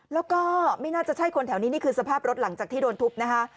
แล้วก็ไม่น่าจะใช่คนแถวนี้นี่คือสภาพรถหลังจากที่โดนทุบนะคะ